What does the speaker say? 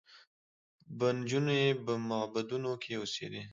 به نجونې په معبدونو کې اوسېدې